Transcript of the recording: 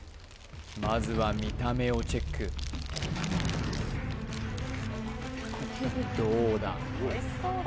まずは見た目をチェックどうだ？